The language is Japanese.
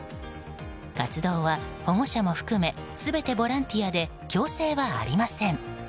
活動は保護者も含め全てボランティアで強制はありません。